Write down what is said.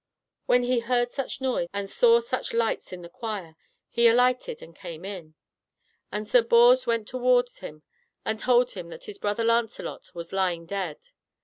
When he heard such noise and saw such lights in the choir, he alighted and came in; and Sir Bors went towards him and told him that his brother Lancelot was lying dead.